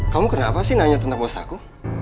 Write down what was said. kamu kenapa sih nanya tentang bos aku